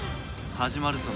始まるぞ。